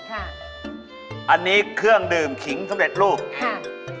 ค่ะอันนี้เครื่องดื่มขิงสำเร็จรูปค่ะ